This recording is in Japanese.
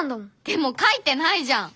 でも書いてないじゃん！